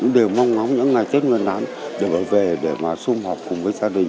đều mong mong những ngày tết ngân đán đều phải về để mà xung họp cùng với gia đình